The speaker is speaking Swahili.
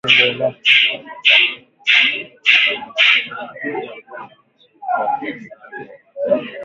Kiwango cha maambukizi ya homa ya bonde la ufa katika kundi la mifugo